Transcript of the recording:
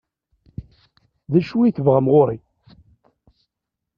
D acu ay tebɣam ɣer-i?